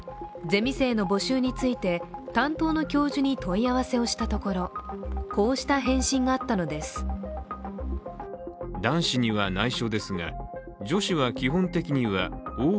ゼミ生の募集について担当の教授に問い合わせをしたところこうした返信があったのです。